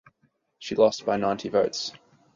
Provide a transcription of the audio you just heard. She lost by ninety votes.